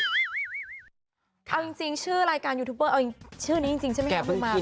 เอาจริงชื่อรายการยูทูปเบอร์เอาชื่อนี้จริงใช่ไหมคะคุณมา